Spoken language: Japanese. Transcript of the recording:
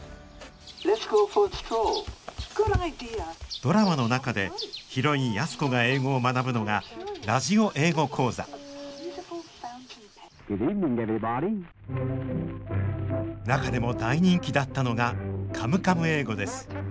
ドラマの中でヒロイン安子が英語を学ぶのがラジオ英語講座中でも大人気だったのが「カムカム英語」です。